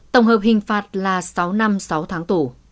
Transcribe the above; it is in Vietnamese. tổng hợp hình phạt là sáu năm sáu tháng tù